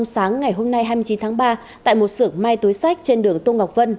sáng ngày hôm nay hai mươi chín tháng ba tại một sưởng mai túi sách trên đường tô ngọc vân